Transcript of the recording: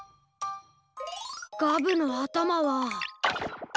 ガブのあたまは。